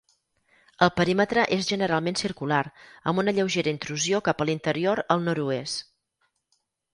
El perímetre és generalment circular, amb una lleugera intrusió cap a l'interior al nord-oest.